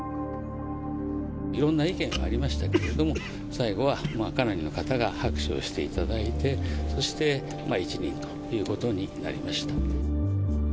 いろんな意見がありましたけれども、最後はかなりの方が拍手をしていただいて、そして一任ということになりました。